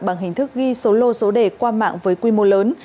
bằng hình thức ghi số lô số đề qua mạng với quy mô lớn